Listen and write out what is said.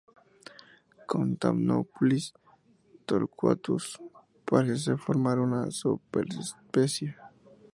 Con "Thamnophilus torquatus" parece formar una superespecie.